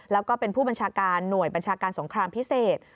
แล้วก็เป็นผู้บัญชาการหน่วยบัญชาการสงครามพิเศษ